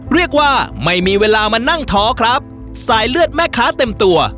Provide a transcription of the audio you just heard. เรียกว่าไม่มีเวลามานั่งท้อครับสายเลือดแม่ค้าเต็มตัว